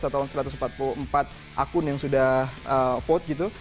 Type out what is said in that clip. satu tahun satu ratus empat puluh empat akun yang sudah vote gitu